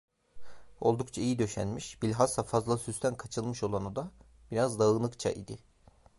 Oldukça iyi döşenmiş, bilhassa fazla süsten kaçılmış olan oda biraz dağınıkça idi.